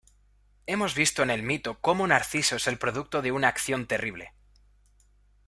Hemos visto en el mito cómo Narciso es el producto de una acción terrible.